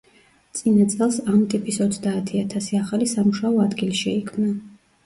წინა წელს ამ ტიპის ოცდაათი ათასი ახალი სამუშაო ადგილი შეიქმნა.